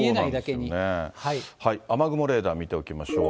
雨雲レーダー見ておきましょう。